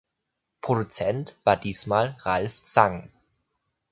Produzent war diesmal Ralf Zang.